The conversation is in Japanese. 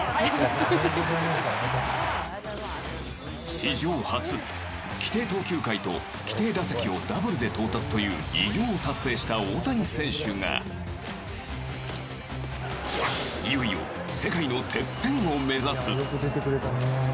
史上初！規定投球回と規定打席をダブルで到達という偉業を達成した大谷選手がいよいよ世界のてっぺんを目指す。